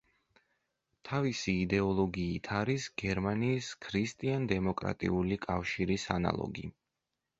თავისი იდეოლოგიით არის გერმანიის ქრისტიან-დემოკრატიული კავშირის ანალოგი.